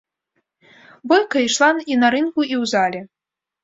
Бойка ішла і на рынгу, і ў зале.